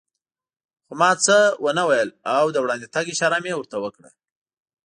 خو ما څه و نه ویل او د وړاندې تګ اشاره مې ورته وکړه.